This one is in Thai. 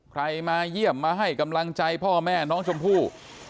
มาเยี่ยมมาให้กำลังใจพ่อแม่น้องชมพู่